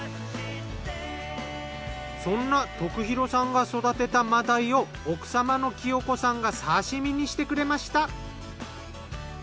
そんな徳弘さんが育てた真鯛を奥様の清子さんが刺身にしてくれました。